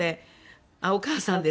あっお母さんです。